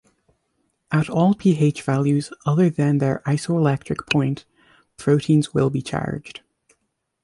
At all pH values other than their isoelectric point, proteins will be charged.